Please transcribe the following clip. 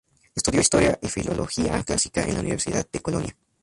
Estudió historia y filología clásica en la Universidad de Colonia.